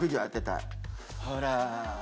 ほら。